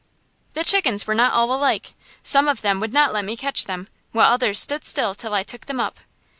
The chickens were not all alike. Some of them would not let me catch them, while others stood still till I took them up.